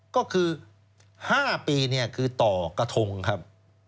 ก็คือ๕ปีคือต่อกระทงครับ